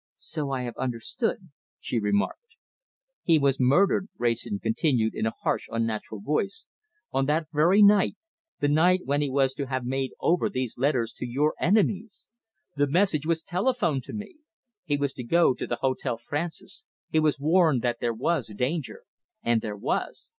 "So I have understood," she remarked. "He was murdered," Wrayson continued in a harsh, unnatural voice, "on that very night, the night when he was to have made over these letters to your enemies! The message was telephoned to me! He was to go to the Hotel Francis. He was warned that there was danger. And there was!